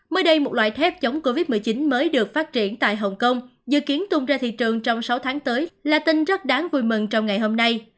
mới đây một loại thép chống covid một mươi chín mới được phát triển tại hồng kông dự kiến tung ra thị trường trong sáu tháng tới là tin rất đáng vui mừng trong ngày hôm nay